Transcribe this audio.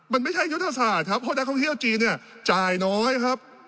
มันไม่ใช่ยุทธศาสตร์ครับเพราะนักท่องเที่ยวจีนเนี่ยจ่ายน้อยครับ